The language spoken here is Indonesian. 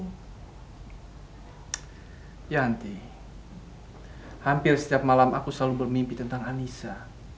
yanti hampir setiap malam aku selalu bermimpi tentang anissa